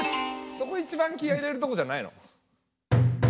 そこいちばん気合い入れるとこじゃないの？